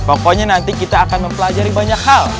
pokoknya nanti kita akan mempelajari banyak hal